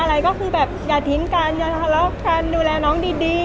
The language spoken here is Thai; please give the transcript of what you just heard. แล้วทำไมถึงเป็นห่วงน้องกันทุกอย่าง